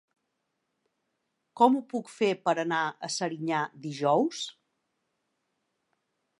Com ho puc fer per anar a Serinyà dijous?